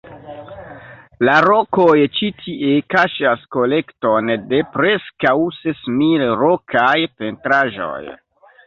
La rokoj ĉi tie kaŝas kolekton de preskaŭ ses mil rokaj pentraĵoj.